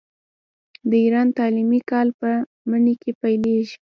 د ایران تعلیمي کال په مني کې پیلیږي.